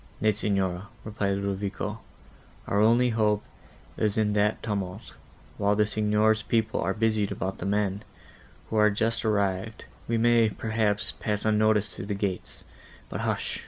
"Nay, Signora," said Ludovico, "our only hope is in that tumult; while the Signor's people are busied about the men, who are just arrived, we may, perhaps, pass unnoticed through the gates. But hush!"